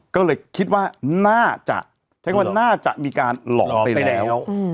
ก็เลยคิดว่าน่าจะใช้ว่าน่าจะมีการหลอกไปแล้ว